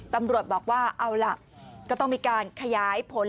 ตำรวจบอกว่าเอาล่ะก็ต้องมีการขยายผล